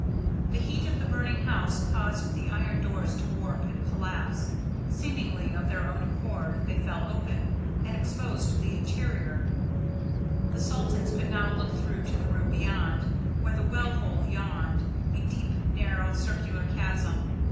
The heat of the burning house caused the iron doors to warp and collapse. Seemingly of their own accord, they fell open, and exposed the interior. The Saltons could now look through to the room beyond, where the well hole yawned, a deep narrow circular chasm.